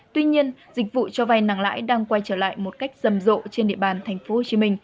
tuy nhiên dịch vụ cho vay nặng lãi đang quay trở lại một cách rầm rộ trên địa bàn tp hcm